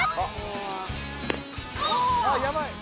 あっやばい。